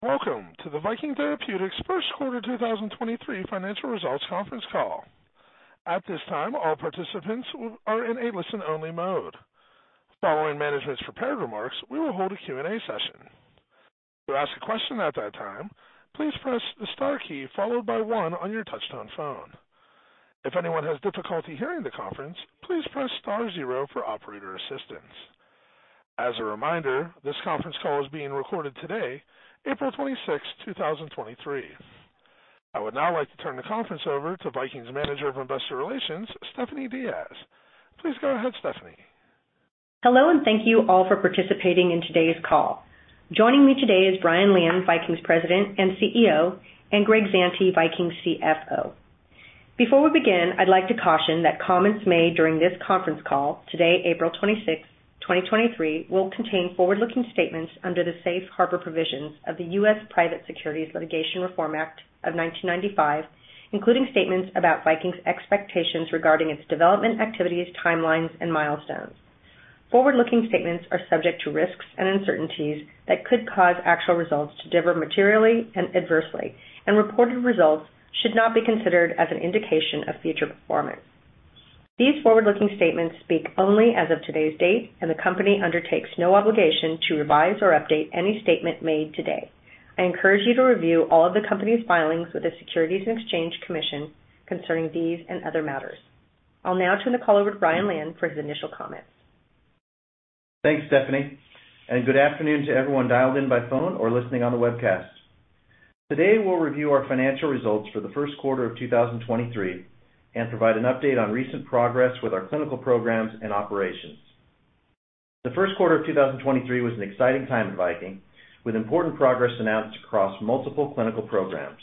Welcome to the Viking Therapeutics Q1 2023 financial results conference call. At this time, all participants are in a listen-only mode. Following management's prepared remarks, we will hold a Q&A session. To ask a question at that time, please press the star key followed by one on your touchtone phone. If anyone has difficulty hearing the conference, please press star zero for operator assistance. As a reminder, this conference call is being recorded today, April 26, 2023. I would now like to turn the conference over to Viking's Manager of Investor Relations, Stephanie Diaz. Please go ahead, Stephanie. Hello, and thank you all for participating in today's call. Joining me today is Brian Lian, Viking's President and CEO, and Greg Zante, Viking's CFO. Before we begin, I'd like to caution that comments made during this conference call, today, April 26th 2023, will contain forward-looking statements under the safe harbor provisions of the U.S. Private Securities Litigation Reform Act of 1995, including statements about Viking's expectations regarding its development activities, timelines, and milestones. Forward-looking statements are subject to risks and uncertainties that could cause actual results to differ materially and adversely. Reported results should not be considered as an indication of future performance. These forward-looking statements speak only as of today's date, and the company undertakes no obligation to revise or update any statement made today. I encourage you to review all of the company's filings with the Securities and Exchange Commission concerning these and other matters. I'll now turn the call over to Brian Lian for his initial comments. Thanks, Stephanie, and good afternoon to everyone dialed in by phone or listening on the webcast. Today, we'll review our financial results for the Q1 of 2023, and provide an update on recent progress with our clinical programs and operations. The Q1 of 2023 was an exciting time at Viking, with important progress announced across multiple clinical programs.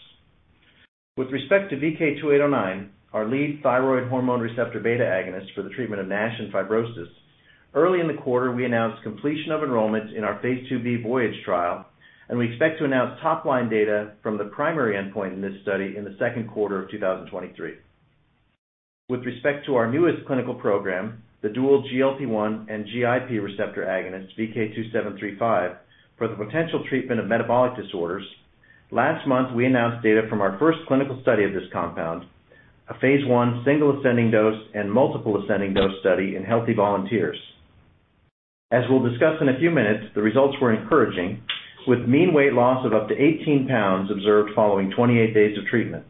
With respect to VK2809, our lead thyroid hormone receptor beta agonist for the treatment of NASH and fibrosis, early in the quarter we announced completion of enrollment in our phase IIb VOYAGE trial, and we expect to announce top-line data from the primary endpoint in this study in the Q2 of 2023. With respect to our newest clinical program, the dual GLP-1 and GIP receptor agonist, VK2735, for the potential treatment of metabolic disorders, last month we announced data from our first clinical study of this compound, a phase I single ascending dose and multiple ascending dose study in healthy volunteers. As we'll discuss in a few minutes, the results were encouraging, with mean weight loss of up to 18 lbs observed following 28 days of treatment.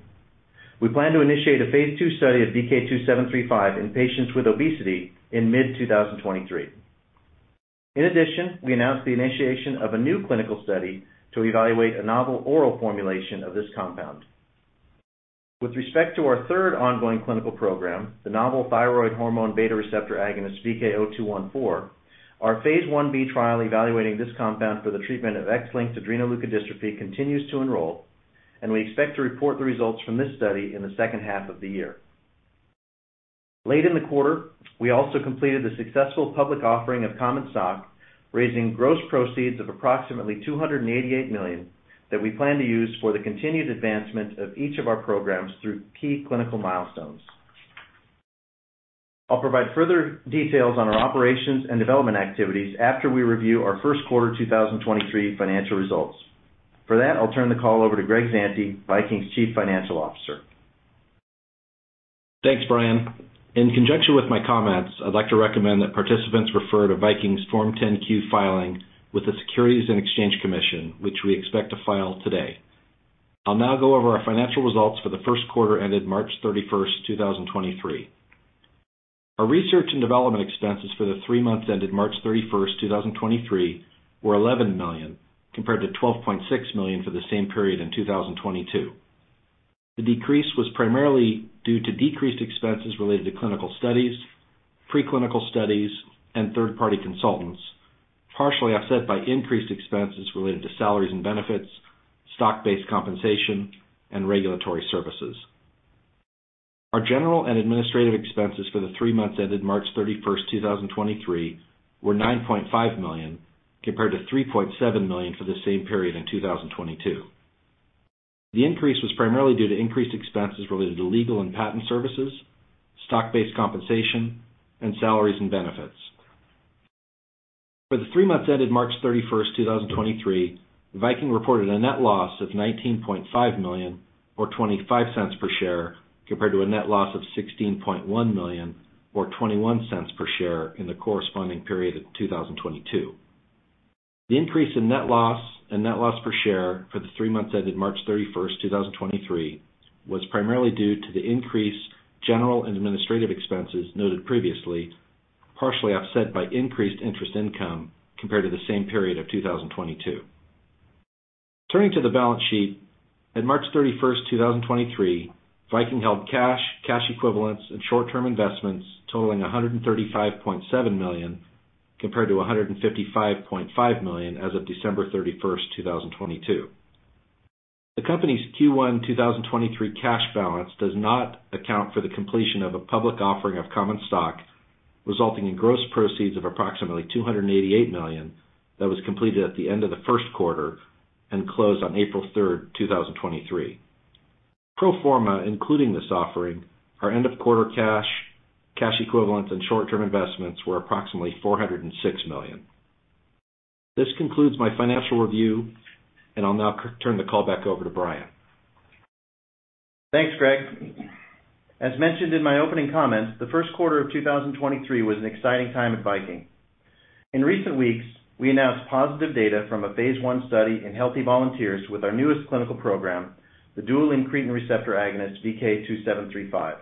We plan to initiate a phase II study of VK2735 in patients with obesity in mid-2023. In addition, we announced the initiation of a new clinical study to evaluate a novel oral formulation of this compound. With respect to our third ongoing clinical program, the novel thyroid hormone receptor beta agonist, VK0214, our phase Ib trial evaluating this compound for the treatment of X-linked adrenoleukodystrophy continues to enroll, and we expect to report the results from this study in the second half of the year. Late in the quarter, we also completed the successful public offering of common stock, raising gross proceeds of approximately $288 million that we plan to use for the continued advancement of each of our programs through key clinical milestones. I'll provide further details on our operations and development activities after we review our Q1 2023 financial results. For that, I'll turn the call over to Greg Zante, Viking's Chief Financial Officer. Thanks, Brian. In conjunction with my comments, I'd like to recommend that participants refer to Viking's Form 10-Q filing with the Securities and Exchange Commission, which we expect to file today. I'll now go over our financial results for the Q1 ended March 31st 2023. Our research and development expenses for the three months ended March 31st 2023, were $11 million, compared to $12.6 million for the same period in 2022. The decrease was primarily due to decreased expenses related to clinical studies, preclinical studies, and third-party consultants, partially offset by increased expenses related to salaries and benefits, stock-based compensation, and regulatory services. Our general and administrative expenses for the three months ended March 31st 2023, were $9.5 million, compared to $3.7 million for the same period in 2022. The increase was primarily due to increased expenses related to legal and patent services, stock-based compensation, and salaries and benefits. For the three months ended March 31st 2023, Viking reported a net loss of $19.5 million or $0.25 per share, compared to a net loss of $16.1 million or $0.21 per share in the corresponding period of 2022. The increase in net loss and net loss per share for the three months ended March 31st 2023, was primarily due to the increased general and administrative expenses noted previously, partially offset by increased interest income compared to the same period of 2022. Turning to the balance sheet. At March 31st 2023, Viking held cash equivalents, and short-term investments totaling $135.7 million, compared to $155.5 million as of December 31st 2022. The company's Q1 2023 cash balance does not account for the completion of a public offering of common stock, resulting in gross proceeds of approximately $288 million that was completed at the end of the Q1 and closed on April 3rd 2023. Pro forma, including this offering, our end of quarter cash equivalents, and short-term investments were approximately $406 million. This concludes my financial review, and I'll now turn the call back over to Brian. Thanks, Greg. As mentioned in my opening comments, the Q1 of 2023 was an exciting time at Viking. In recent weeks, we announced positive data from a phase I study in healthy volunteers with our newest clinical program, the dual incretin receptor agonist VK2735.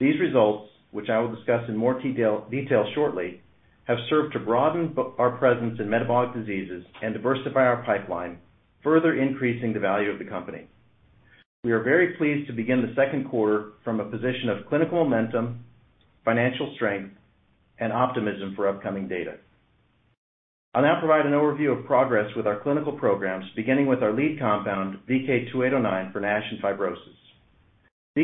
These results, which I will discuss in more detail shortly, have served to broaden our presence in metabolic diseases and diversify our pipeline, further increasing the value of the company. We are very pleased to begin the Q2 from a position of clinical momentum, financial strength, and optimism for upcoming data. I'll now provide an overview of progress with our clinical programs, beginning with our lead compound, VK2809 for NASH and fibrosis.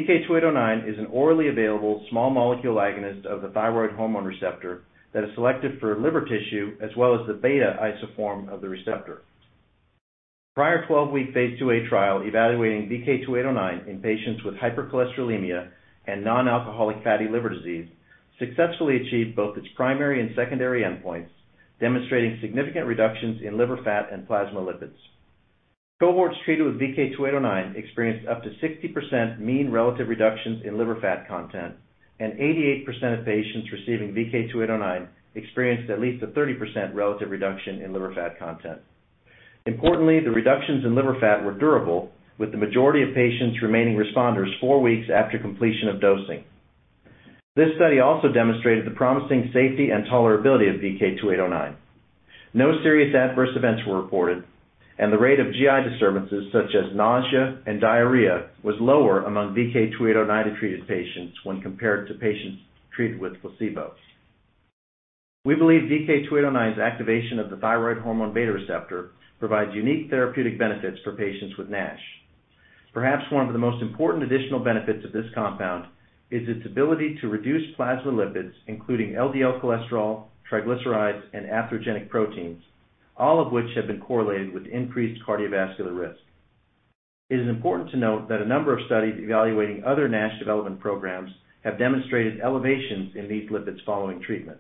VK2809 is an orally available, small molecule agonist of the thyroid hormone receptor that is selected for liver tissue as well as the beta isoform of the receptor. Prior 12 week phase IIa trial evaluating VK2809 in patients with hypercholesterolemia and nonalcoholic fatty liver disease successfully achieved both its primary and secondary endpoints, demonstrating significant reductions in liver fat and plasma lipids. Cohorts treated with VK2809 experienced up to 60% mean relative reductions in liver fat content, and 88% of patients receiving VK2809 experienced at least a 30% relative reduction in liver fat content. Importantly, the reductions in liver fat were durable, with the majority of patients remaining responders four weeks after completion of dosing. This study also demonstrated the promising safety and tolerability of VK2809. No serious adverse events were reported, and the rate of GI disturbances such as nausea and diarrhea was lower among VK2809-treated patients when compared to patients treated with placebo. We believe VK2809's activation of the thyroid hormone beta receptor provides unique therapeutic benefits for patients with NASH. Perhaps one of the most important additional benefits of this compound is its ability to reduce plasma lipids, including LDL cholesterol, triglycerides, and atherogenic proteins, all of which have been correlated with increased cardiovascular risk. It is important to note that a number of studies evaluating other NASH development programs have demonstrated elevations in these lipids following treatment.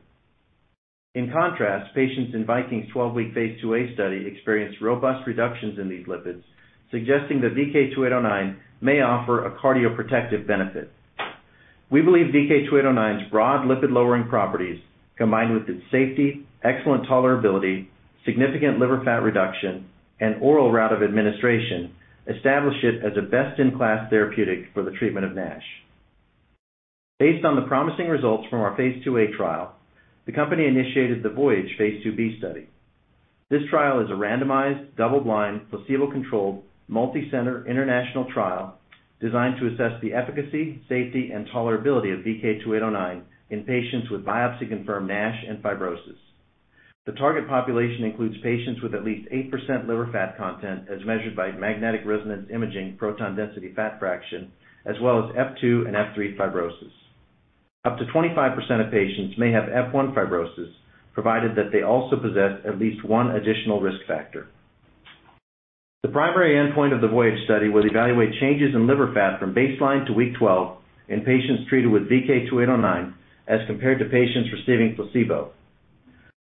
In contrast, patients in Viking's 12 week phase II A study experienced robust reductions in these lipids, suggesting that VK2809 may offer a cardioprotective benefit. We believe VK2809's broad lipid-lowering properties, combined with its safety, excellent tolerability, significant liver fat reduction, and oral route of administration establish it as a best-in-class therapeutic for the treatment of NASH. Based on the promising results from our phase IIa trial, the company initiated the VOYAGE phase IIb study. This trial is a randomized, double-blind, placebo-controlled, multi-center international trial designed to assess the efficacy, safety, and tolerability of VK2809 in patients with biopsy-confirmed NASH and fibrosis. The target population includes patients with at least 8% liver fat content as measured by magnetic resonance imaging proton density fat fraction, as well as F2 and F3 fibrosis. Up to 25% of patients may have F1 fibrosis, provided that they also possess at least one additional risk factor. The primary endpoint of the VOYAGE study will evaluate changes in liver fat from baseline to week 12 in patients treated with VK2809 as compared to patients receiving placebo.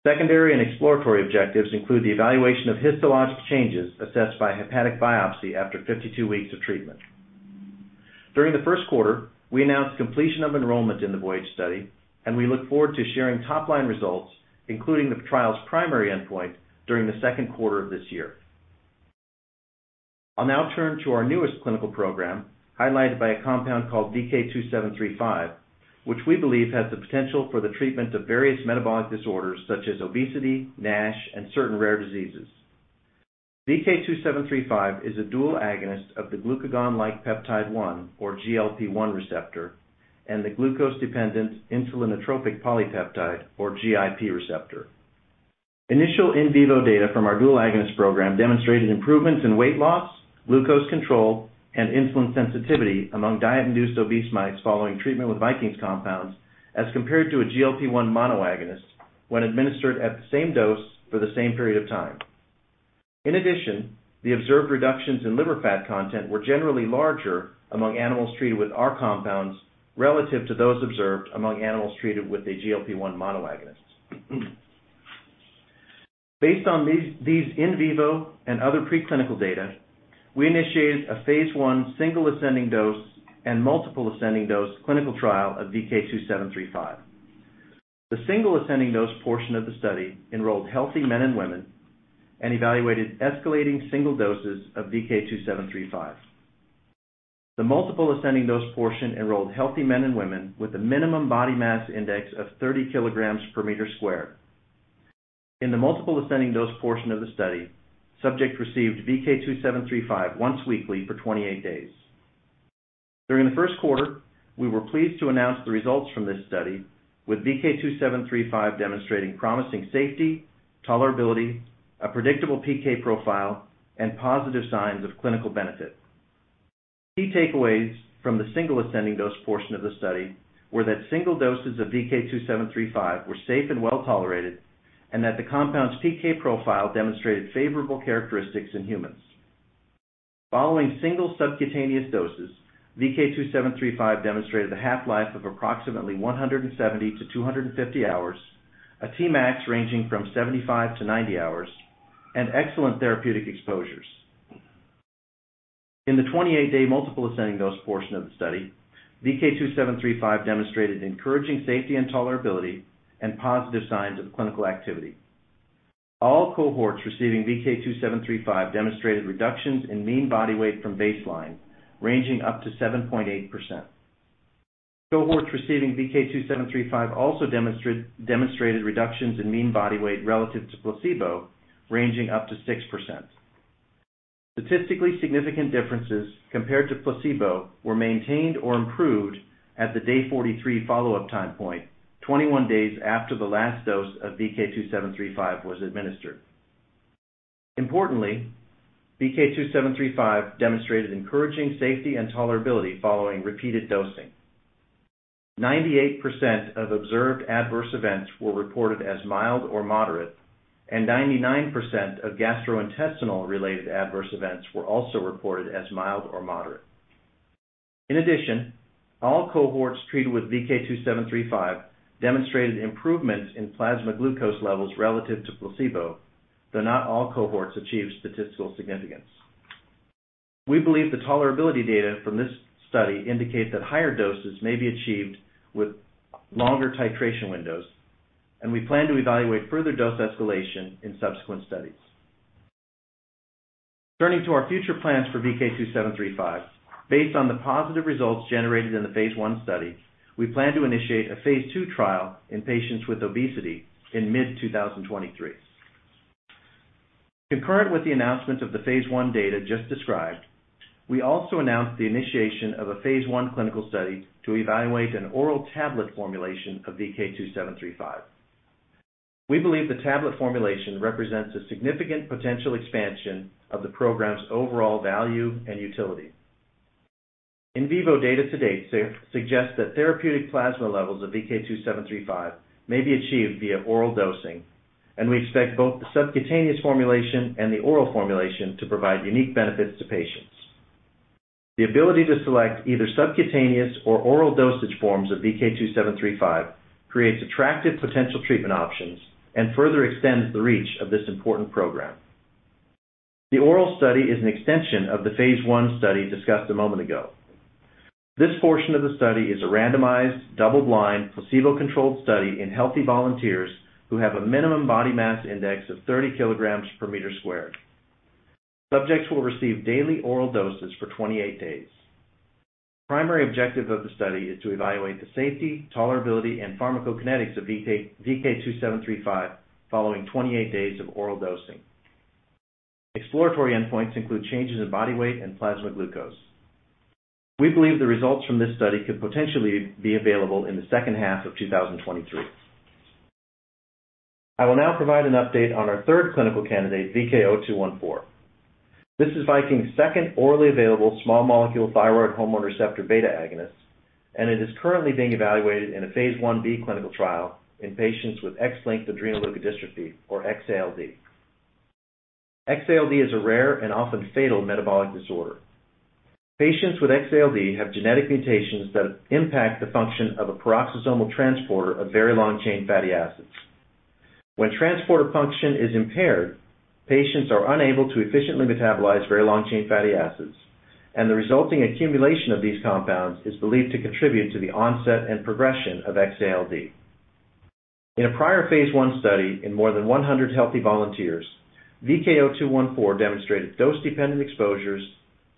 Secondary and exploratory objectives include the evaluation of histologic changes assessed by hepatic biopsy after 52 weeks of treatment. During the Q1, we announced completion of enrollment in the VOYAGE study, and we look forward to sharing top-line results, including the trial's primary endpoint, during the second quarter of this year. I'll now turn to our newest clinical program, highlighted by a compound called VK2735, which we believe has the potential for the treatment of various metabolic disorders such as obesity, NASH, and certain rare diseases. VK2735 is a dual agonist of the glucagon-like peptide-1, or GLP-1 receptor, and the glucose-dependent insulinotropic polypeptide, or GIP receptor. Initial in vivo data from our dual agonist program demonstrated improvements in weight loss, glucose control, and insulin sensitivity among diet-induced obese mice following treatment with Viking's compounds as compared to a GLP-1 monoagonist when administered at the same dose for the same period of time. In addition, the observed reductions in liver fat content were generally larger among animals treated with our compounds relative to those observed among animals treated with a GLP-1 monoagonist. Based on these in vivo and other preclinical data, we initiated a phase I single ascending dose and multiple ascending dose clinical trial of VK2735. The single ascending dose portion of the study enrolled healthy men and women and evaluated escalating single doses of VK2735. The multiple ascending dose portion enrolled healthy men and women with a minimum body mass index of 30 kg/m². In the multiple ascending dose portion of the study, subjects received VK2735 once weekly for 28 days. During the Q1, we were pleased to announce the results from this study with VK2735 demonstrating promising safety, tolerability, a predictable PK profile, and positive signs of clinical benefit. Key takeaways from the single ascending dose portion of the study were that single doses of VK2735 were safe and well-tolerated. That the compound's PK profile demonstrated favorable characteristics in humans. Following single subcutaneous doses, VK2735 demonstrated a half-life of approximately 170-250 hours, a Tmax ranging from 75-90 hours, and excellent therapeutic exposures. In the 28-day multiple ascending dose portion of the study, VK2735 demonstrated encouraging safety and tolerability and positive signs of clinical activity. All cohorts receiving VK2735 demonstrated reductions in mean body weight from baseline, ranging up to 7.8%. Cohorts receiving VK2735 also demonstrated reductions in mean body weight relative to placebo, ranging up to 6%. Statistically significant differences compared to placebo were maintained or improved at the day 43 follow-up time point, 21 days after the last dose of VK2735 was administered. Importantly, VK2735 demonstrated encouraging safety and tolerability following repeated dosing. 98% of observed adverse events were reported as mild or moderate, and 99% of gastrointestinal-related adverse events were also reported as mild or moderate. In addition, all cohorts treated with VK2735 demonstrated improvements in plasma glucose levels relative to placebo, though not all cohorts achieved statistical significance. We believe the tolerability data from this study indicate that higher doses may be achieved with longer titration windows, and we plan to evaluate further dose escalation in subsequent studies. Turning to our future plans for VK2735. Based on the positive results generated in the phase I study, we plan to initiate a phase II trial in patients with obesity in mid-2023. Concurrent with the announcement of the phase I data just described, we also announced the initiation of a phase I clinical study to evaluate an oral tablet formulation of VK2735. We believe the tablet formulation represents a significant potential expansion of the program's overall value and utility. In vivo data to date suggest that therapeutic plasma levels of VK2735 may be achieved via oral dosing, and we expect both the subcutaneous formulation and the oral formulation to provide unique benefits to patients. The ability to select either subcutaneous or oral dosage forms of VK2735 creates attractive potential treatment options and further extends the reach of this important program. The oral study is an extension of the phase I study discussed a moment ago. This portion of the study is a randomized, double-blind, placebo-controlled study in healthy volunteers who have a minimum body mass index of 30 kilograms per meter squared. Subjects will receive daily oral doses for 28 days. The primary objective of the study is to evaluate the safety, tolerability, and pharmacokinetics of VK2735 following 28 days of oral dosing. Exploratory endpoints include changes in body weight and plasma glucose. We believe the results from this study could potentially be available in the second half of 2023. I will now provide an update on our third clinical candidate, VK0214. This is Viking's second orally available small molecule thyroid hormone receptor beta agonist, and it is currently being evaluated in a phase Ib clinical trial in patients with X-linked adrenoleukodystrophy, or X-ALD. X-ALD is a rare and often fatal metabolic disorder. Patients with X-ALD have genetic mutations that impact the function of a peroxisomal transporter of very long chain fatty acids. When transporter function is impaired, patients are unable to efficiently metabolize very long chain fatty acids, and the resulting accumulation of these compounds is believed to contribute to the onset and progression of X-ALD. In a prior phase I study in more than 100 healthy volunteers, VK0214 demonstrated dose-dependent exposures,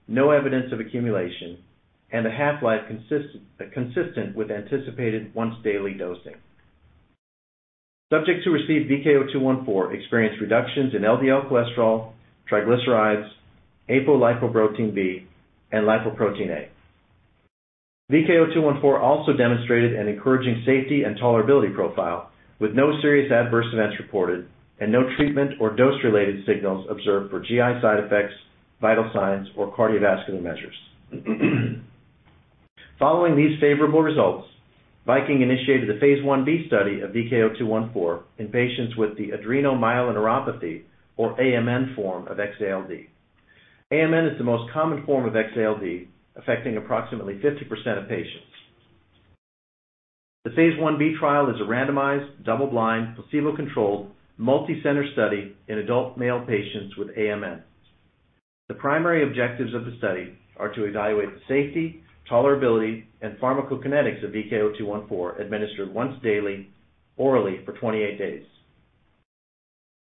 no evidence of accumulation, and a half-life consistent with anticipated once-daily dosing. Subjects who received VK0214 experienced reductions in LDL cholesterol, triglycerides, apolipoprotein B, and lipoprotein(a). VK0214 also demonstrated an encouraging safety and tolerability profile, with no serious adverse events reported and no treatment or dose-related signals observed for GI side effects, vital signs, or cardiovascular measures. Following these favorable results, Viking initiated a phase Ib study of VK0214 in patients with adrenomyeloneuropathy, or AMN form of X-ALD. AMN is the most common form of X-ALD, affecting approximately 50% of patients. The phase Ib trial is a randomized, double-blind, placebo-controlled, multi-center study in adult male patients with AMN. The primary objectives of the study are to evaluate the safety, tolerability, and pharmacokinetics of VK0214 administered once daily orally for 28 days.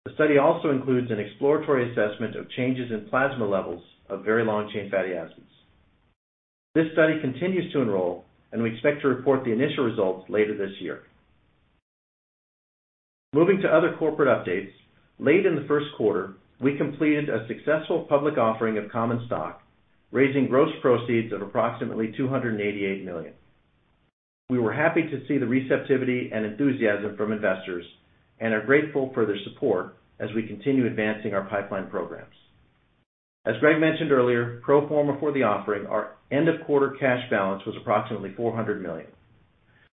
The study also includes an exploratory assessment of changes in plasma levels of very long-chain fatty acids. This study continues to enroll, and we expect to report the initial results later this year. Moving to other corporate updates, late in the Q1, we completed a successful public offering of common stock, raising gross proceeds of approximately $288 million. We were happy to see the receptivity and enthusiasm from investors and are grateful for their support as we continue advancing our pipeline programs. As Greg mentioned earlier, pro forma for the offering, our end of quarter cash balance was approximately $400 million.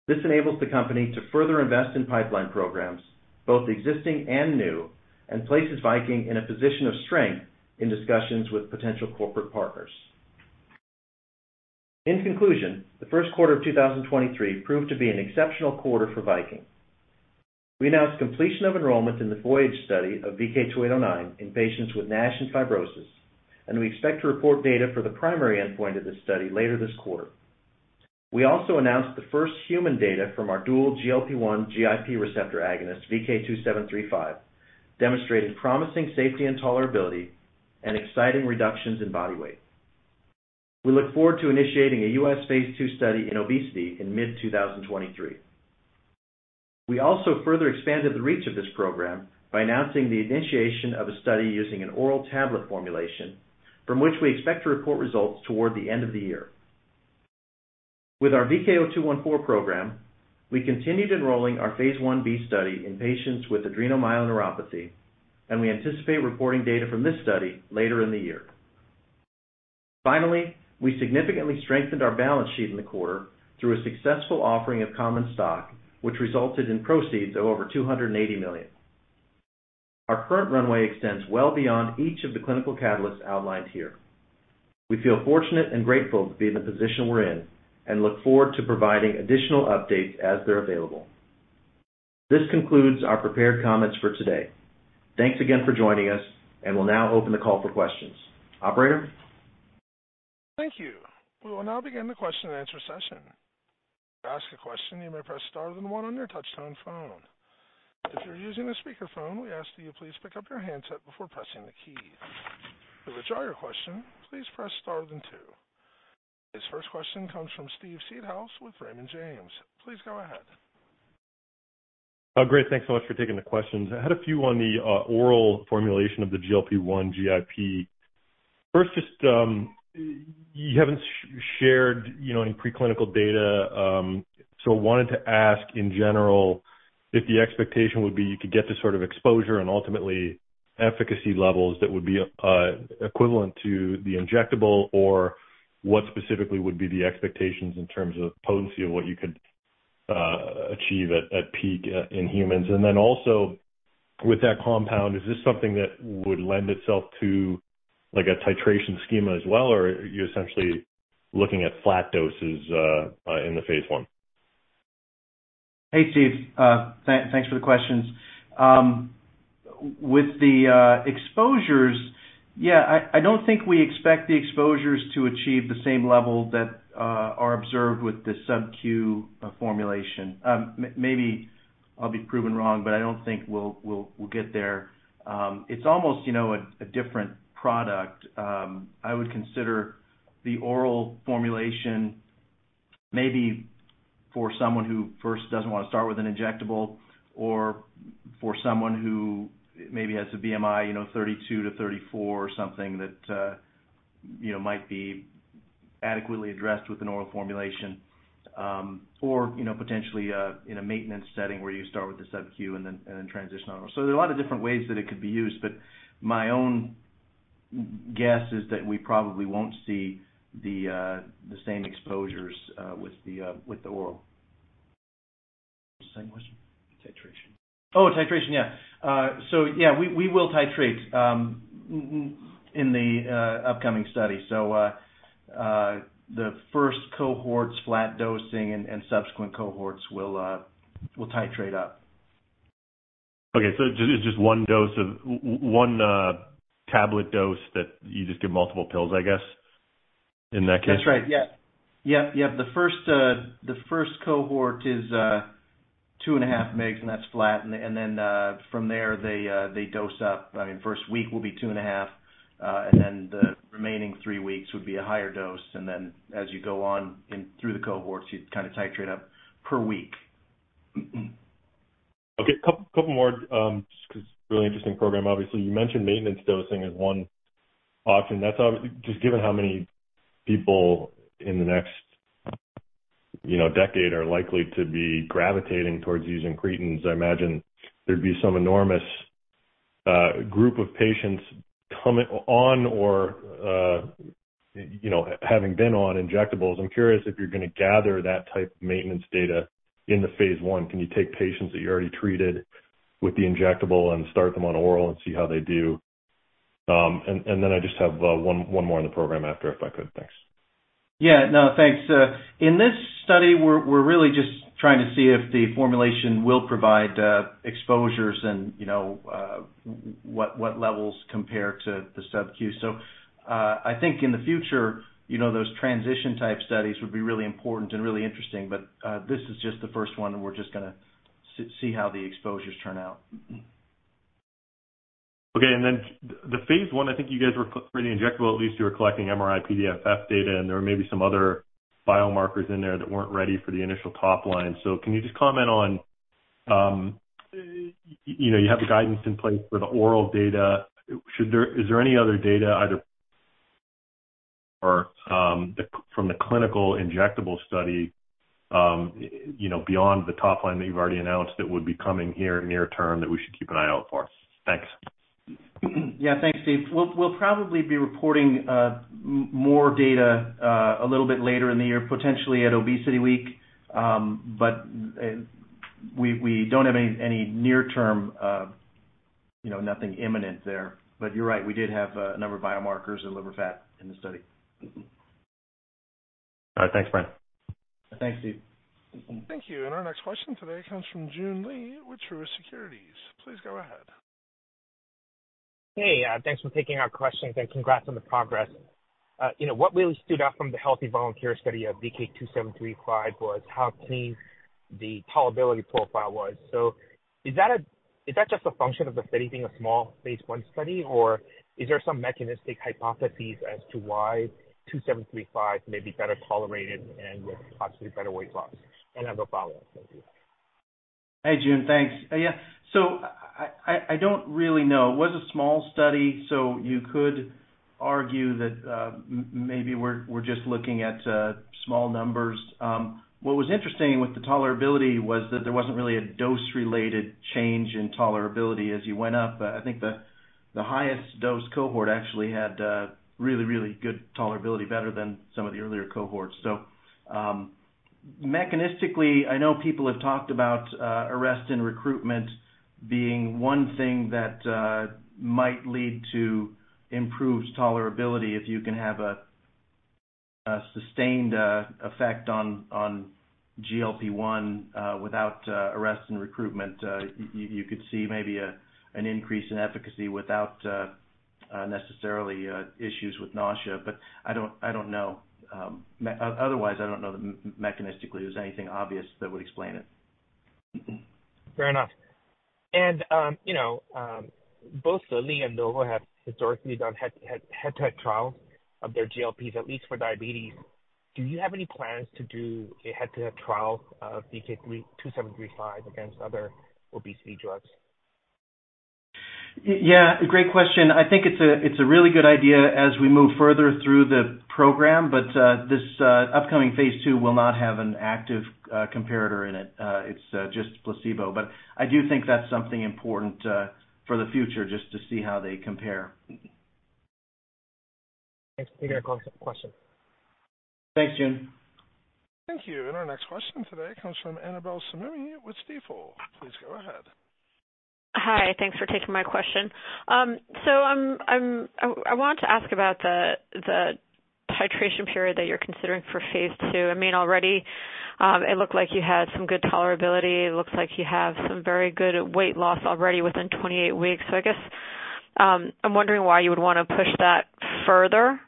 This enables the company to further invest in pipeline programs, both existing and new, and places Viking in a position of strength in discussions with potential corporate partners. In conclusion, the Q1 of 2023 proved to be an exceptional quarter for Viking. We announced completion of enrollment in the VOYAGE study of VK2809 in patients with NASH and fibrosis, and we expect to report data for the primary endpoint of this study later this quarter. We also announced the first human data from our dual GLP-1, GIP receptor agonist, VK2735, demonstrating promising safety and tolerability and exciting reductions in body weight. We look forward to initiating a U.S. phase II study in obesity in mid-2023. We also further expanded the reach of this program by announcing the initiation of a study using an oral tablet formulation from which we expect to report results toward the end of the year. With our VK0214 program, we continued enrolling our phase Ib study in patients with adrenomyeloneuropathy, and we anticipate reporting data from this study later in the year. Finally, we significantly strengthened our balance sheet in the quarter through a successful offering of common stock, which resulted in proceeds of over $280 million. Our current runway extends well beyond each of the clinical catalysts outlined here. We feel fortunate and grateful to be in the position we're in and look forward to providing additional updates as they're available. This concludes our prepared comments for today. Thanks again for joining us, and we'll now open the call for questions. Operator? Thank you. We will now begin the question and answer session. To ask a question, you may press star then one on your touchtone phone. If you're using a speakerphone, we ask that you please pick up your handset before pressing the key. To withdraw your question, please press star then two. This first question comes from Steve Seedhouse with Raymond James. Please go ahead. Great. Thanks so much for taking the questions. I had a few on the oral formulation of the GLP-1, GIP. First, just you haven't shared, you know, any preclinical data, so wanted to ask in general if the expectation would be you could get the sort of exposure and ultimately efficacy levels that would be equivalent to the injectable, or what specifically would be the expectations in terms of potency of what you could achieve at peak in humans? Also with that compound, is this something that would lend itself to like a titration schema as well, or are you essentially looking at flat doses in the phase I? Hey, Steve. Thanks for the questions. With the exposures, yeah, I don't think we expect the exposures to achieve the same level that are observed with the subq formulation. Maybe I'll be proven wrong, but I don't think we'll get there. It's almost, you know, a different product. I would consider the oral formulation maybe for someone who first doesn't wanna start with an injectable or for someone who maybe has a BMI, you know, 32-34 or something that, you know, might be adequately addressed with an oral formulation. Or, you know, potentially, in a maintenance setting where you start with the subq and then transition oral. There are a lot of different ways that it could be used, but my own guess is that we probably won't see the same exposures with the oral. Same question? Titration. Oh, titration. Yeah. Yeah, we will titrate in the upcoming study. The first cohort's flat dosing and subsequent cohorts will titrate up. Okay. It's just one dose of one tablet dose that you just give multiple pills, I guess, in that case? That's right. Yeah. Yep. Yep. The first cohort is 2.5 mgs, and that's flat. Then, from there, they dose up. I mean, first week will be 2.5, and then the remaining three weeks would be a higher dose. Then as you go on through the cohorts, you kind of titrate up per week. Okay. Couple more, just 'cause really interesting program obviously. You mentioned maintenance dosing as one option. Just given how many people in the next, you know, decade are likely to be gravitating towards incretins, I imagine there'd be some enormous group of patients coming on or, you know, having been on injectables. I'm curious if you're gonna gather that type of maintenance data in the phase I. Can you take patients that you already treated with the injectable and start them on oral and see how they do? Then I just have one more on the program after if I could. Thanks. Yeah. No, thanks. In this study, we're really just trying to see if the formulation will provide exposures and, you know, what levels compare to the subq. I think in the future, you know, those transition type studies would be really important and really interesting, but this is just the first one, and we're just gonna see how the exposures turn out. Okay. The phase I think you guys were pretty aggressive. At least you were collecting MRI-PDFF data, and there were maybe some other biomarkers in there that weren't ready for the initial topline. Can you just comment on, you know, you have the guidance in place for the oral data. Is there any other data from the clinical injectable study, you know, beyond the topline that you've already announced that would be coming here near-term that we should keep an eye out for. Thanks. Yeah. Thanks, Steve. We'll probably be reporting more data a little bit later in the year, potentially at ObesityWeek. We don't have any near-term nothing imminent there. You're right, we did have a number of biomarkers of liver fat in the study. All right. Thanks, Brian. Thanks, Steve. Thank you. Our next question today comes from Joon Lee with Truist Securities. Please go ahead. Hey, thanks for taking our questions, and congrats on the progress. You know, what really stood out from the healthy volunteer study of VK2735 was how clean the tolerability profile was. Is that just a function of the study being a small phase I study, or is there some mechanistic hypotheses as to why 2735 may be better tolerated and with possibly better weight loss? I have a follow-up. Thank you. Hey, Joon. Thanks. Yeah, I don't really know. It was a small study, so you could argue that, maybe we're just looking at small numbers. What was interesting with the tolerability was that there wasn't really a dose-related change in tolerability as you went up. I think the highest dose cohort actually had really good tolerability, better than some of the earlier cohorts. Mechanistically, I know people have talked about arrestin recruitment being one thing that might lead to improved tolerability. If you can have a sustained effect on GLP-1 without arrestin recruitment, you could see maybe an increase in efficacy without necessarily issues with nausea. I don't know. Otherwise, I don't know that mechanistically there's anything obvious that would explain it. Fair enough. You know, both Lilly and Novo have historically done head-to-head trials of their GLPs, at least for diabetes. Do you have any plans to do a head-to-head trial of VK2735 against other obesity drugs? Yeah, great question. I think it's a really good idea as we move further through the program, but this upcoming phase II will not have an active comparator in it. It's just placebo. I do think that's something important for the future just to see how they compare. Thanks. Thank you for the question. Thanks, Joon. Thank you. Our next question today comes from Annabel Samimy with Stifel. Please go ahead. Hi. Thanks for taking my question. I wanted to ask about the titration period that you're considering for phase II. I mean, already, it looked like you had some good tolerability. It looks like you have some very good weight loss already within 28 weeks. I guess I'm wondering why you would wanna push that further,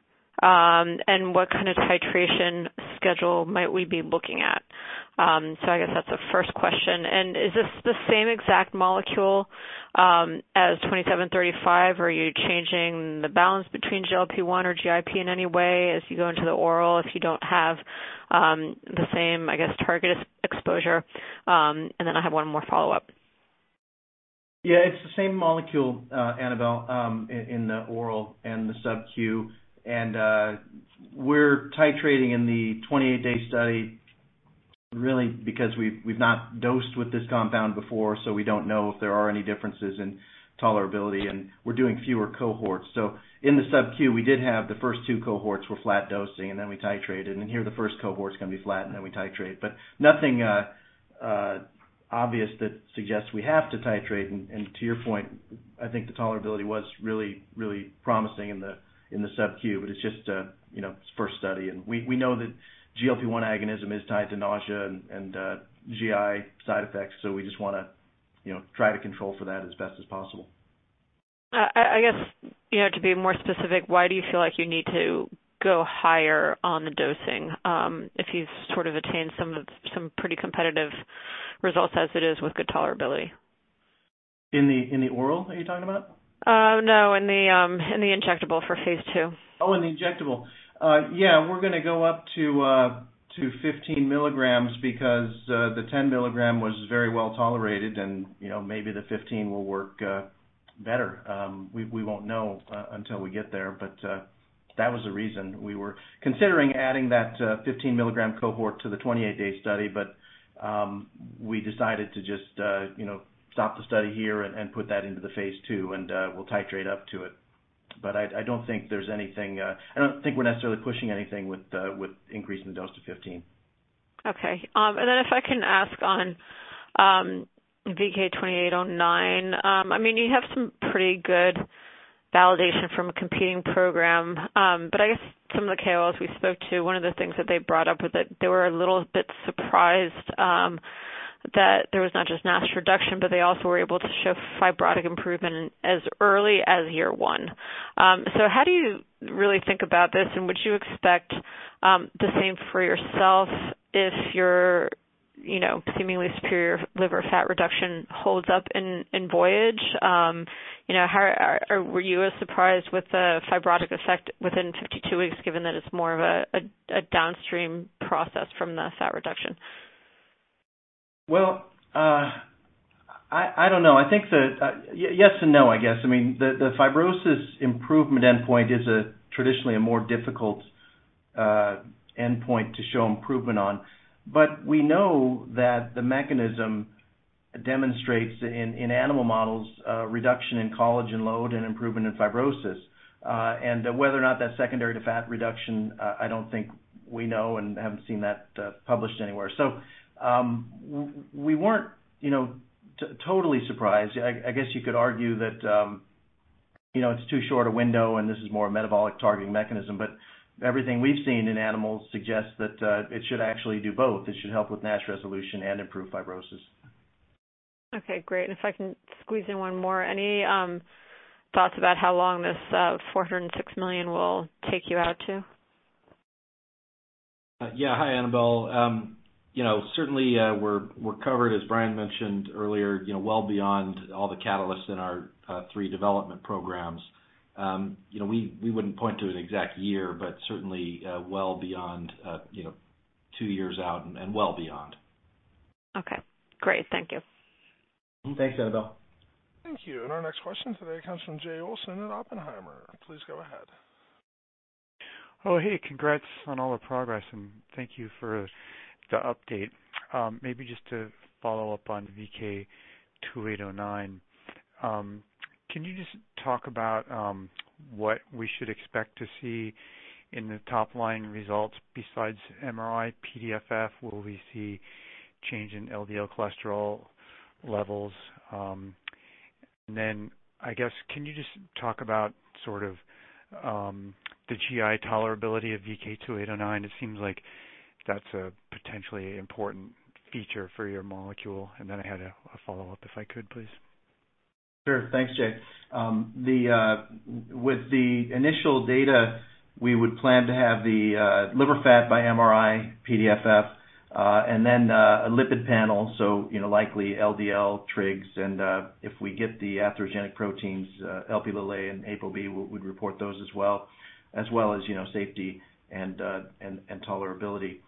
and what kind of titration schedule might we be looking at? I guess that's the first question. Is this the same exact molecule as VK2735? Are you changing the balance between GLP-1 or GIP in any way as you go into the oral if you don't have the same, I guess, target exposure? I have one more follow-up. Yeah, it's the same molecule, Annabel, in the oral and the subq. We're titrating in the 28-day study really because we've not dosed with this compound before, so we don't know if there are any differences in tolerability, and we're doing fewer cohorts. In the subq, we did have the first two cohorts were flat dosing, and then we titrated. Here the first cohort's gonna be flat, and then we titrate. Nothing obvious that suggests we have to titrate. To your point, I think the tolerability was really promising in the subq. It's just a, you know, it's first study. We know that GLP-1 agonism is tied to nausea and GI side effects, so we just wanna, you know, try to control for that as best as possible. I guess, you know, to be more specific, why do you feel like you need to go higher on the dosing, if you've sort of attained some pretty competitive results as it is with good tolerability? In the oral, are you talking about? No, in the injectable for phase II. Oh, in the injectable. Yeah, we're gonna go up to 15 milligrams because the 10 milligram was very well tolerated and, you know, maybe the 15 will work better. We won't know until we get there, but that was the reason. We were considering adding that 15 milligram cohort to the 28 day study, but we decided to just, you know, stop the study here and put that into the phase II, and we'll titrate up to it. But I don't think there's anything. I don't think we're necessarily pushing anything with increasing the dose to 15. Okay. If I can ask on VK2809. I mean, you have some pretty good validation from a competing program. But I guess some of the KOLs we spoke to, one of the things that they brought up was that they were a little bit surprised that there was not just mass reduction, but they also were able to show fibrotic improvement as early as year one. So how do you really think about this, and would you expect the same for yourself if your, you know, seemingly superior liver fat reduction holds up in VOYAGE? You know, were you as surprised with the fibrotic effect within 52 weeks, given that it's more of a downstream process from the fat reduction? Well, I don't know. I think yes and no, I guess. I mean, the fibrosis improvement endpoint is traditionally a more difficult endpoint to show improvement on. We know that the mechanism demonstrates in animal models reduction in collagen load and improvement in fibrosis. Whether or not that's secondary to fat reduction, I don't think we know and haven't seen that published anywhere. We weren't, you know, totally surprised. I guess you could argue that, you know, it's too short a window, and this is more a metabolic targeting mechanism. Everything we've seen in animals suggests that it should actually do both. It should help with NASH resolution and improve fibrosis. Okay, great. If I can squeeze in one more. Any thoughts about how long this $406 million will take you out to? Yeah. Hi, Annabel. You know, certainly, we're covered, as Brian mentioned earlier, you know, well beyond all the catalysts in our three development programs. You know, we wouldn't point to an exact year, but certainly, well beyond, you know, two years out and well beyond. Okay, great. Thank you. Thanks, Annabel. Thank you. Our next question today comes from Jay Olson at Oppenheimer. Please go ahead. Oh, hey, congrats on all the progress, and thank you for the update. Maybe just to follow up on VK2809. Can you just talk about what we should expect to see in the top line results besides MRI-PDFF? Will we see change in LDL cholesterol levels? I guess, can you just talk about sort of the GI tolerability of VK2809? It seems like that's a potentially important feature for your molecule. I had a follow-up, if I could, please. Sure. Thanks, Jay. With the initial data, we would plan to have the liver fat by MRI-PDFF, and then a lipid panel, so you know, likely LDL, trigs, and if we get the atherogenic proteins, Lp and ApoB, we'd report those as well as safety and tolerability.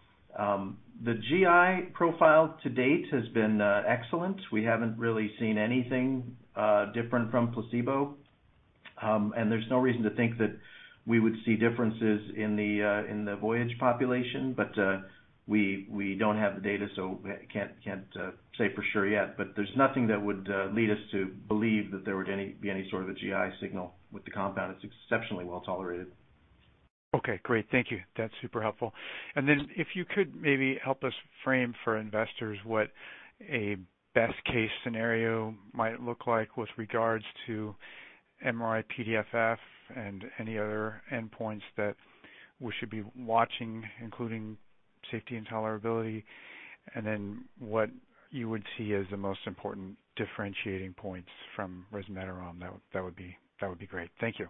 The GI profile to date has been excellent. We haven't really seen anything different from placebo. There's no reason to think that we would see differences in the VOYAGE population, but we don't have the data, so can't say for sure yet. There's nothing that would lead us to believe that there would be any sort of a GI signal with the compound. It's exceptionally well tolerated. Okay, great. Thank you. That's super helpful. If you could maybe help us frame for investors what a best case scenario might look like with regards to MRI-PDFF and any other endpoints that we should be watching, including safety and tolerability, and then what you would see as the most important differentiating points from resmetirom. That would be great. Thank you.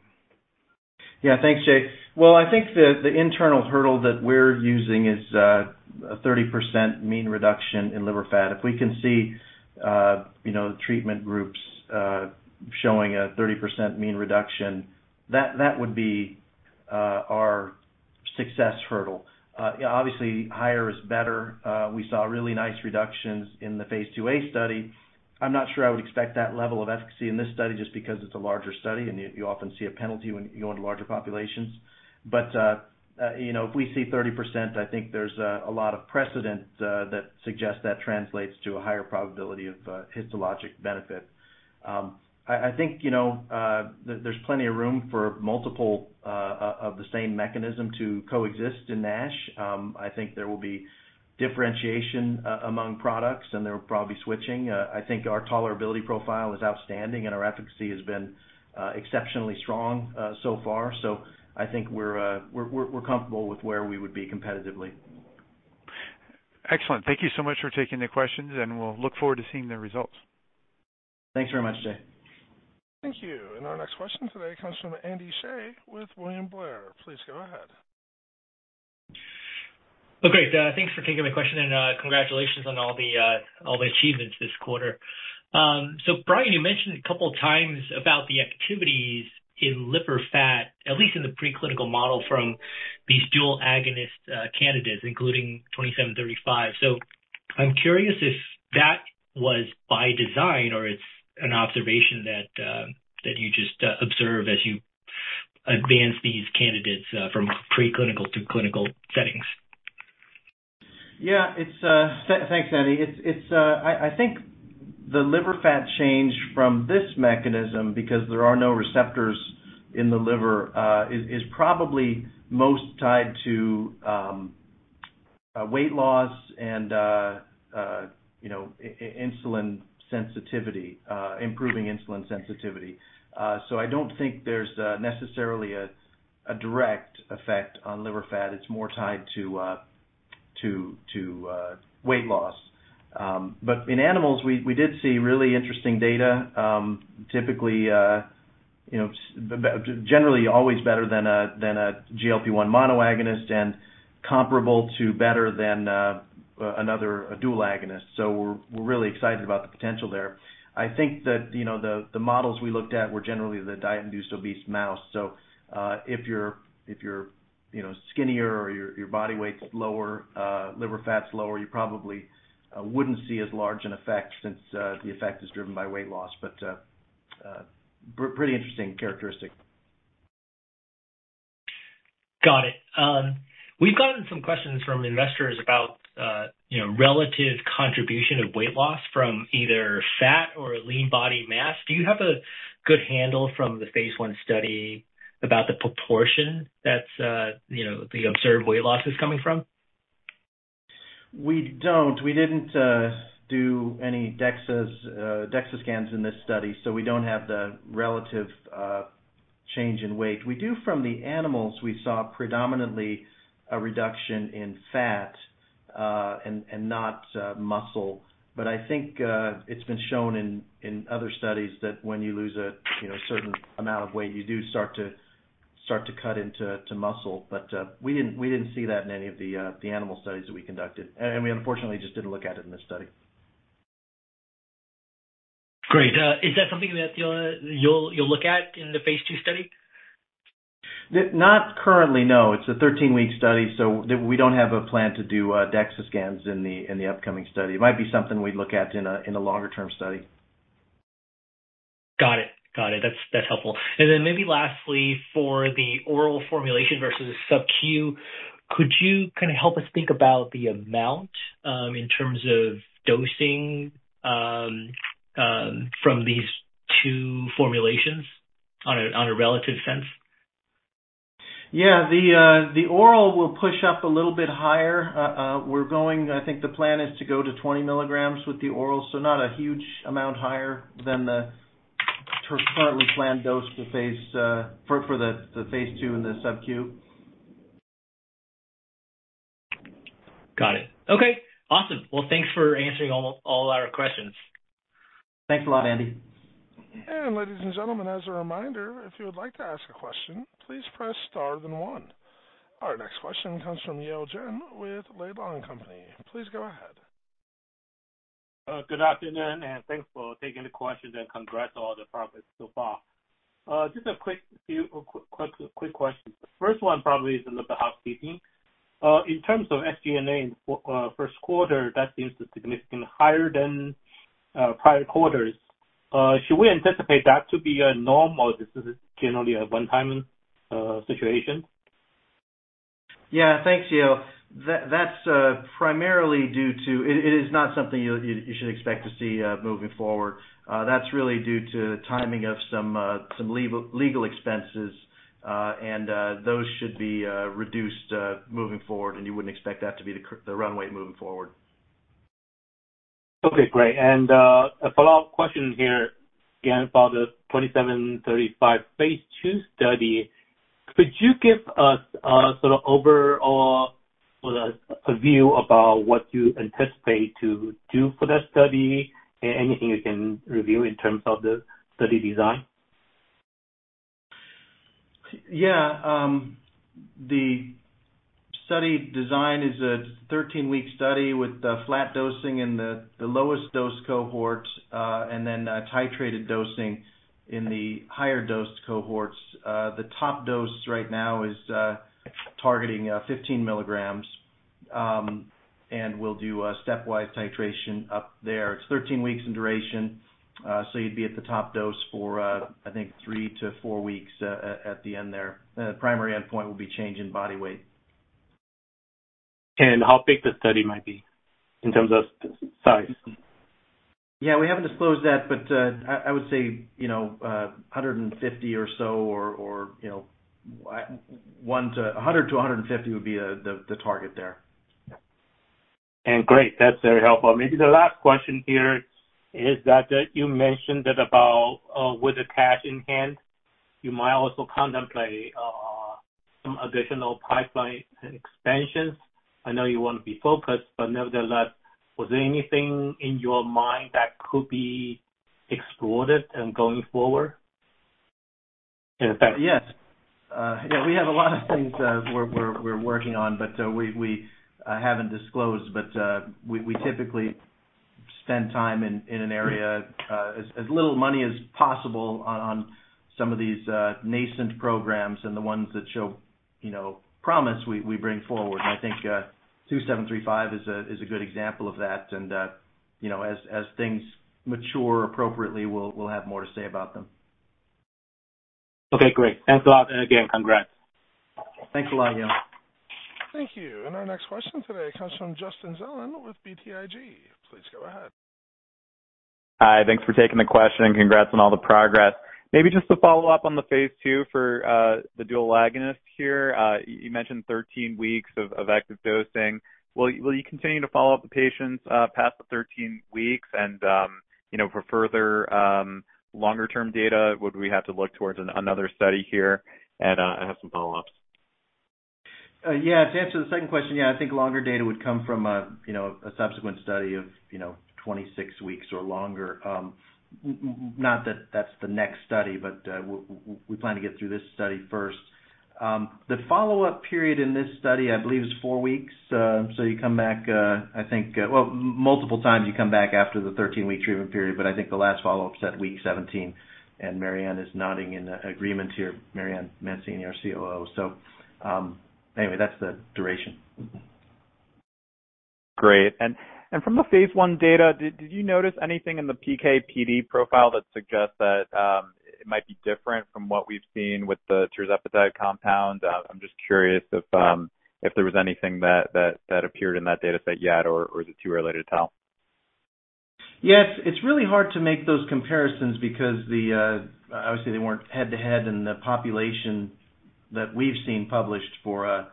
Yeah. Thanks, Jay. Well, I think the internal hurdle that we're using is a 30% mean reduction in liver fat. If we can see, you know, the treatment groups showing a 30% mean reduction, that would be our success hurdle. Obviously, higher is better. We saw really nice reductions in the phase IIa study. I'm not sure I would expect that level of efficacy in this study just because it's a larger study, and you often see a penalty when you go into larger populations. You know, if we see 30%, I think there's a lot of precedent that suggests that translates to a higher probability of histologic benefit. I think, you know, there's plenty of room for multiple of the same mechanism to coexist in NASH. I think there will be differentiation among products, and there'll probably switching. I think our tolerability profile is outstanding, and our efficacy has been exceptionally strong so far. I think we're comfortable with where we would be competitively. Excellent. Thank you so much for taking the questions, and we'll look forward to seeing the results. Thanks very much, Jay. Thank you. Our next question today comes from Andy Hsieh with William Blair. Please go ahead. Oh, great. Thanks for taking my question, and congratulations on all the achievements this quarter. Brian, you mentioned a couple times about the activities in liver fat, at least in the preclinical model from these dual agonist candidates, including 2735. I'm curious if that was by design or it's an observation that you just observe as you advance these candidates from preclinical to clinical settings. Yeah. Thanks, Andy. I think the liver fat change from this mechanism because there are no receptors in the liver is probably most tied to weight loss and you know, insulin sensitivity, improving insulin sensitivity. So I don't think there's necessarily a direct effect on liver fat. It's more tied to weight loss. But in animals, we did see really interesting data, typically you know, generally always better than a GLP-1 monoagonist and comparable to better than another dual agonist. So we're really excited about the potential there. I think that you know, the models we looked at were generally the diet-induced obese mouse. If you're, you know, skinnier or your body weight's lower, liver fat's lower, you probably wouldn't see as large an effect since the effect is driven by weight loss. Pretty interesting characteristic. Got it. We've gotten some questions from investors about, you know, relative contribution of weight loss from either fat or lean body mass. Do you have a good handle from the phase I study about the proportion that's, you know, the observed weight loss is coming from? We didn't do any DEXA scans in this study, so we don't have the relative change in weight. We have it from the animals. We saw predominantly a reduction in fat and not muscle. I think it's been shown in other studies that when you lose a, you know, certain amount of weight, you do start to cut into muscle. We didn't see that in any of the animal studies that we conducted. We unfortunately just didn't look at it in this study. Great. Is that something that you'll look at in the phase II study? Not currently, no. It's a 13 week study, so we don't have a plan to do DEXA scans in the upcoming study. It might be something we'd look at in a longer term study. Got it. That's helpful. Maybe lastly, for the oral formulation versus subq, could you kind of help us think about the amount in terms of dosing from these two formulations on a relative sense? Yeah. The oral will push up a little bit higher. I think the plan is to go to 20 milligrams with the oral, so not a huge amount higher than the currently planned dose for phase II and the subq. Got it. Okay. Awesome. Well, thanks for answering all our questions. Thanks a lot, Andy. Ladies and gentlemen, as a reminder, if you would like to ask a question, please press star then one. Our next question comes from Yale Jen with Laidlaw & Company. Please go ahead. Good afternoon, and thanks for taking the questions and congrats on all the progress so far. Just a few quick questions. The first one probably is on the housekeeping. In terms of SG&A for Q1 that seems to be significantly higher than prior quarters. Should we anticipate that to be normal, or is this generally a one-time situation? Yeah. Thanks, Yale. It is not something you should expect to see moving forward. That's really due to timing of some legal expenses, and those should be reduced moving forward, and you wouldn't expect that to be the runway moving forward. Okay, great. A follow-up question here, again for the 2735 phase II study. Could you give us a sort of overall or a view about what you anticipate to do for that study? Anything you can review in terms of the study design? Yeah. The study design is a 13 week study with flat dosing in the lowest dose cohort, and then a titrated dosing in the higher dosed cohorts. The top dose right now is targeting 15 milligrams, and we'll do a stepwise titration up there. It's 13 weeks in duration, so you'd be at the top dose for, I think, three to four weeks at the end there. Primary endpoint will be change in body weight. How big the study might be in terms of size? Yeah, we haven't disclosed that, but I would say, you know, 150 or so or, you know, 100-150 would be the target there. Great. That's very helpful. Maybe the last question here is that, you mentioned that about, with the cash in hand, you might also contemplate, some additional pipeline expansions. I know you want to be focused, but nevertheless, was there anything in your mind that could be explored and going forward in effect? Yes. We have a lot of things we're working on, but we haven't disclosed. We typically spend as little money as possible on some of these nascent programs and the ones that show, you know, promise we bring forward. I think 2735 is a good example of that. You know, as things mature appropriately, we'll have more to say about them. Okay, great. Thanks a lot. Again, congrats. Thanks a lot, Yale. Thank you. Our next question today comes from Justin Zelin with BTIG. Please go ahead. Hi. Thanks for taking the question and congrats on all the progress. Maybe just to follow up on the phase II for the dual agonist here. You mentioned 13 weeks of active dosing. Will you continue to follow up the patients past the 13 weeks and you know, for further longer-term data, would we have to look towards another study here? I have some follow-ups. Yeah. To answer the second question, yeah, I think longer data would come from a, you know, a subsequent study of, you know, 26 weeks or longer. Not that that's the next study, but we plan to get through this study first. The follow-up period in this study, I believe is four weeks. You come back, I think, well, multiple times you come back after the 13 week treatment period, but I think the last follow-up's at week 17. Marianne is nodding in agreement here. Marianne Mancini, our COO. Anyway, that's the duration. Great. From the phase I data, did you notice anything in the PK/PD profile that suggests that it might be different from what we've seen with the tirzepatide compound? I'm just curious if there was anything that appeared in that data set yet, or is it too early to tell? Yes. It's really hard to make those comparisons because obviously they weren't head-to-head in the population that we've seen published for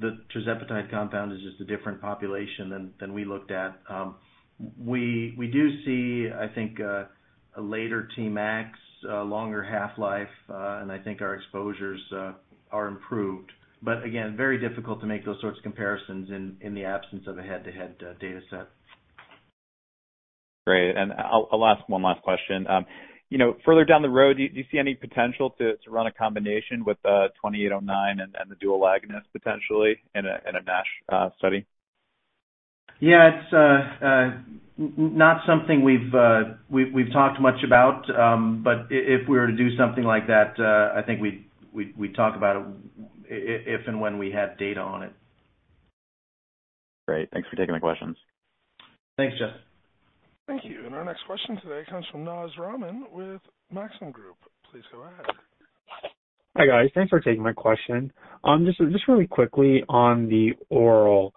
the tirzepatide compound, is just a different population than we looked at. We do see, I think, a later Tmax, a longer half-life, and I think our exposures are improved. Again, very difficult to make those sorts of comparisons in the absence of a head-to-head data set. Great. I'll ask one last question. You know, further down the road, do you see any potential to run a combination with 2809 and the dual agonist potentially in a NASH study? Yeah. It's not something we've talked much about. If we were to do something like that, I think we'd talk about it if and when we had data on it. Great. Thanks for taking my questions. Thanks, Justin. Thank you. Our next question today comes from Naz Rahman with Maxim Group. Please go ahead. Hi, guys. Thanks for taking my question. Just really quickly on the oral,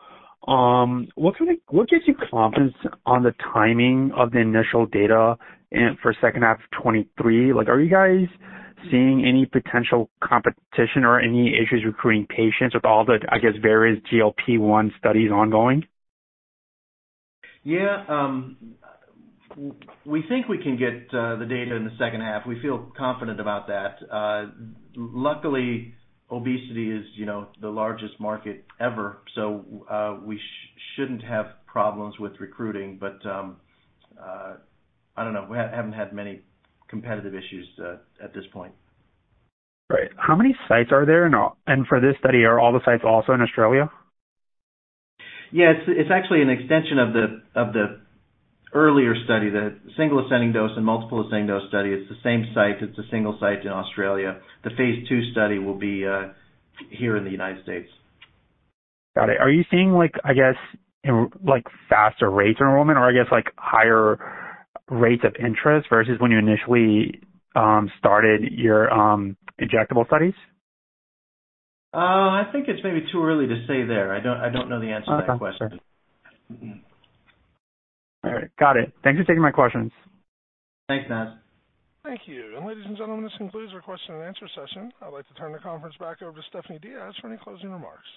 what gives you confidence on the timing of the initial data and for second half of 2023? Like, are you guys seeing any potential competition or any issues recruiting patients with all the, I guess, various GLP-1 studies ongoing? Yeah. We think we can get the data in the second half. We feel confident about that. Luckily, obesity is, you know, the largest market ever, so we shouldn't have problems with recruiting. I don't know. We haven't had many competitive issues at this point. Great. How many sites are there in Australia and for this study, are all the sites also in Australia? It's actually an extension of the earlier study, the single ascending dose and multiple ascending dose study. It's the same site. It's a single site in Australia. The phase II study will be here in the United States. Got it. Are you seeing like, I guess, in, like, faster rates in enrollment or I guess, like, higher rates of interest versus when you initially started your injectable studies? I think it's maybe too early to say there. I don't know the answer to that question. Okay. Sure. All right. Got it. Thank you for taking my questions. Thanks, Naz. Thank you. Ladies and gentlemen, this concludes our question and answer session. I'd like to turn the conference back over to Stephanie Diaz for any closing remarks.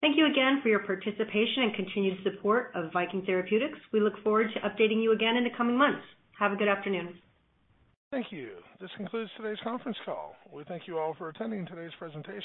Thank you again for your participation and continued support of Viking Therapeutics. We look forward to updating you again in the coming months. Have a good afternoon. Thank you. This concludes today's conference call. We thank you all for attending today's presentation.